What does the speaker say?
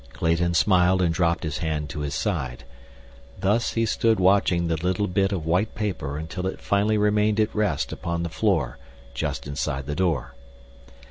Clayton smiled and dropped his hand to his side. Thus they stood watching the little bit of white paper until it finally remained at rest upon the floor just inside the door.